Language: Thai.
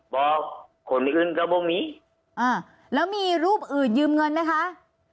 บอกคนไม่ขึ้นกระบงนี้อ่าแล้วมีรูปอื่นยืมเงินไหมคะ